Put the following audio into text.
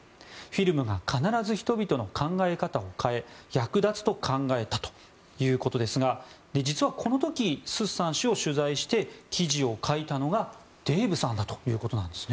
フィルムが必ず人々の考え方を変え役立つと考えたということですが実はこの時スッサン氏を取材して記事を書いたのがデーブさんだということです。